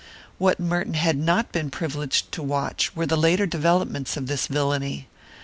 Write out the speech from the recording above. What Merton had not been privileged to watch were the later developments of this villainy.